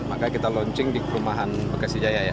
maka kita launching di perumahan bekasi jaya ya